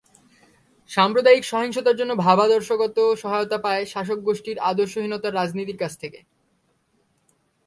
সাম্প্রদায়িক সহিংসতার জন্য ভাবাদর্শগত সহায়তা পায় শাসকগোষ্ঠীর আদর্শহীনতার রাজনীতির কাছ থেকে।